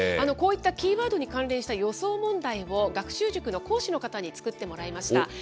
こういったキーワードに関連した予想問題を学習塾の講師の方に作ってもらいました。